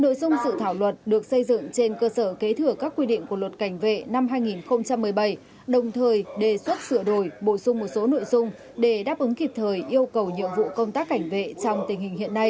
nội dung sự thảo luật được xây dựng trên cơ sở kế thừa các quy định của luật cảnh vệ năm hai nghìn một mươi bảy đồng thời đề xuất sửa đổi bổ sung một số nội dung để đáp ứng kịp thời yêu cầu nhiệm vụ công tác cảnh vệ trong tình hình hiện nay